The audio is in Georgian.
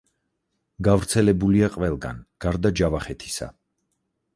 გავრცელებულია ყველგან, გარდა ჯავახეთისა.